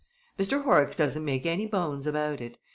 Mr. Horrocks doesn't make any bones about it.